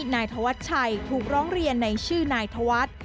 นายธวัชชัยถูกร้องเรียนในชื่อนายธวัฒน์